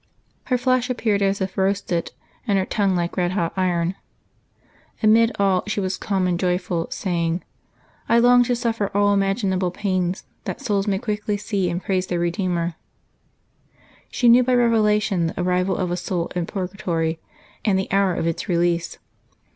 Her flesh appeared as if roasted, and her tongue like red hot iron. Amid all she was calm and joyful, saying, " I long to suffer all imaginable pains, that souls may quickly see and praise their Eedeemer." She knew by revelation the arrival of a soul in purgatory, and the hour of its release.